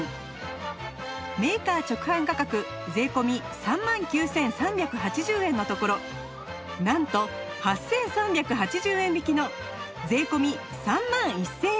メーカー直販価格税込３万９３８０円のところなんと８３８０円引きの税込３万１０００円！